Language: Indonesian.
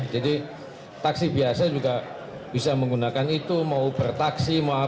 jadi taksi biasa juga bisa menggunakan itu mau bertaksi mau apa